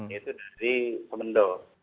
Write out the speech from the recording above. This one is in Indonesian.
itu dari semendok